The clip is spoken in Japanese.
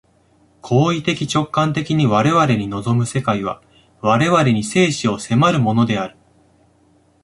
行為的直観的に我々に臨む世界は、我々に生死を迫るものである。